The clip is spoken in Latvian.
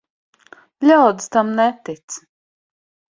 Ļaudis tam netic.